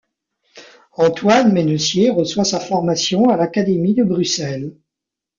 Antoine Mennessier reçoit sa formation à l'Académie de Bruxelles.